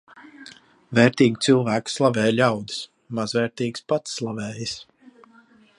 Vērtīgu cilvēku slavē ļaudis, mazvērtīgs pats slavējas.